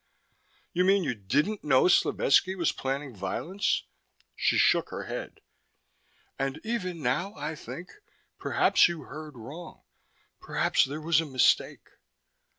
"You mean you didn't know Slovetski was planning violence?" She shook her head. "And even now, I think, perhaps you heard wrong, perhaps there was a mistake."